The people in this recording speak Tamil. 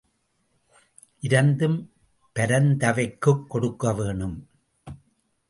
இரந்தும் பரந்தவைக்குக் கொடுக்கவேணும்.